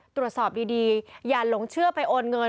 ตรวจสอบดีอย่าหลงเชื่อไปโอนเงิน